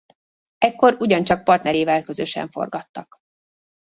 Ekkor ugyancsak partnerével közösen forgattak.